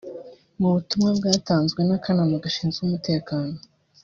Mu butumwa bwatanzwe n’akanama gashinzwe umutekano